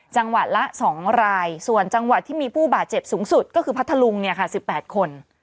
จังหวัดละสองรายส่วนจังหวัดที่มีผู้บาดเจ็บสูงสุดก็คือพัดทะลุงเนี่ยค่ะสิบแปดคน